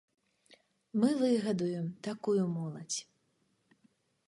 Мы выгадуем такую моладзь.